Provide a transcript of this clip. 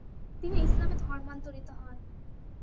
তিনি ইসলামে ধর্মান্তরিত হন।